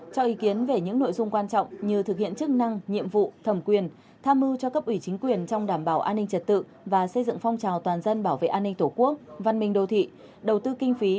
cho ý kiến về những nội dung quan trọng như thực hiện chức năng nhiệm vụ thẩm quyền tham mưu cho cấp ủy chính quyền trong đảm bảo an ninh trật tự và xây dựng phong trào toàn dân bảo vệ an ninh tổ quốc văn minh đô thị đầu tư kinh phí